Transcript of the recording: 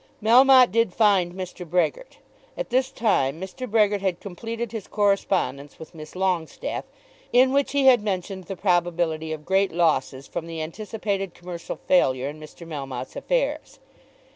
Melmotte did find Mr. Brehgert. At this time Mr. Brehgert had completed his correspondence with Miss Longestaffe, in which he had mentioned the probability of great losses from the anticipated commercial failure in Mr. Melmotte's affairs.